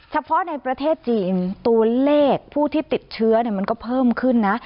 เฉพาะในประเทศจีนตัวเลขผู้ที่ติดเชื้อมันก็เพิ่มขึ้นนะ